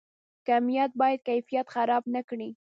کمیت باید کیفیت خراب نکړي